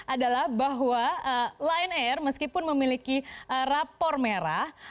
adalah bahwa lion air meskipun memiliki rapor merah